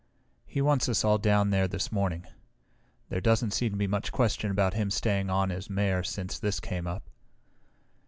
"He wants us all down there this morning. There doesn't seem to be much question about him staying on as Mayor since this came up."